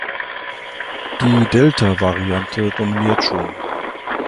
Die Delta-Variante dominiert schon.